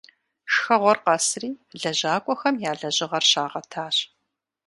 Шхэгъуэр къэсри лэжьакӀуэхэм я лэжьыгъэр щагъэтащ.